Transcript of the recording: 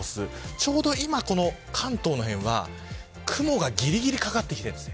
ちょうど今この関東の辺りは雲がぎりぎり掛かってきてるんです。